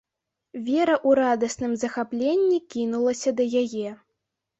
Вера ў радасным захапленні кінулася да яе.